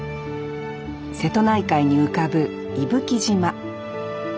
瀬戸内海に浮かぶ伊吹島。